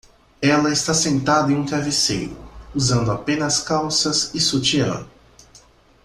Ela está sentada em um travesseiro, usando apenas calças e sutiã.